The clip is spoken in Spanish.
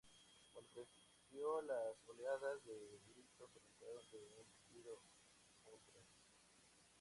Cuando apareció, las oleadas de gritos aumentaron de un rugido a un trueno.